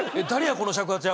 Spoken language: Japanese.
この尺八は！」